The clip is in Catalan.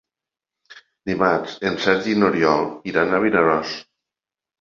Dimarts en Sergi i n'Oriol iran a Vinaròs.